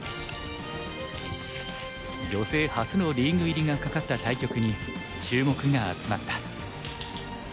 女性初のリーグ入りが懸かった対局に注目が集まった。